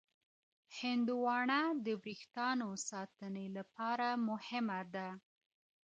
هندواڼه د وریښتانو ساتنې لپاره مهمه ده.